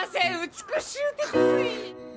美しゅうてつい。